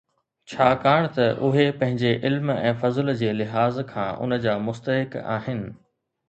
ڇاڪاڻ ته اهي پنهنجي علم ۽ فضل جي لحاظ کان ان جا مستحق آهن.